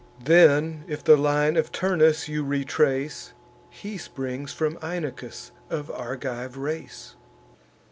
Then, if the line of Turnus you retrace, He springs from Inachus of Argive race."